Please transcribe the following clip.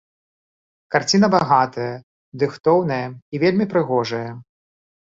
Карціна багатая, дыхтоўная і вельмі прыгожая.